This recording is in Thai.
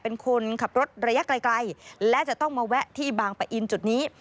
เป็นคนขับรถระยะไกลและจะต้องมาแวะที่บางปะอินจุดนี้